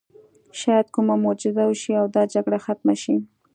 شاید کومه معجزه وشي او دا جګړه ختمه شي